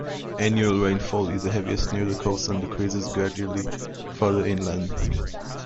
Annual rainfall is heaviest near the coast and decreases gradually further inland.